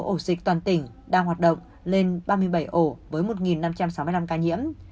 ổ dịch toàn tỉnh đang hoạt động lên ba mươi bảy ổ với một năm trăm sáu mươi năm ca nhiễm